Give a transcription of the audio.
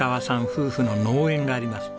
夫婦の農園があります。